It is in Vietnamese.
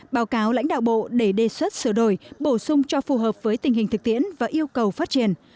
báo cáo lãnh đạo bộ để đề xuất sửa đổi bổ sung cho phù hợp với tình hình thực tiễn và yêu cầu phát triển